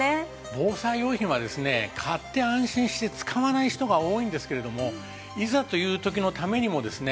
防災用品はですね買って安心して使わない人が多いんですけれどもいざという時のためにもですね